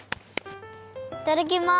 いただきます。